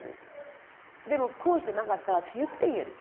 でも講師でなかったら私言ってんねん。